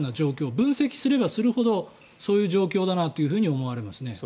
分析すればするほどそういう状況だなと思われますね。